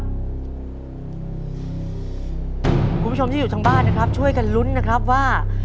คุณผู้ชมที่อยู่ทางบ้านนะครับช่วยกันลุ้นนะครับว่า